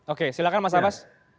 oke silahkan mas abas